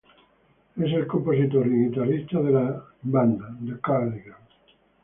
Es el compositor y guitarrista de la banda, The Cardigans.